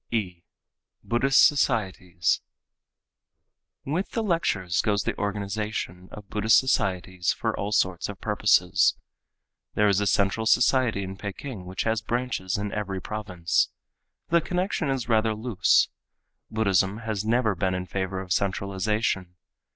(e) Buddhist Societies.—With the lectures goes the organization of Buddhist societies for all sorts of purposes. There is a central society in Peking which has branches in every province. The connection is rather loose. Buddhism has never been in favor of centralization.